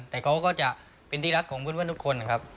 แต่เขาก็จะเป็นที่รักของเพื่อนทุกคนครับ